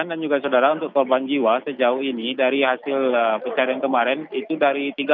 dan juga diseakan untuk korban jiwa sejauh ini dari hasil a pecarian kemarin itu dari tiga